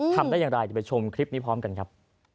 ทำได้อย่างไรเดี๋ยวไปชมคลิปนี้พร้อมกันครับ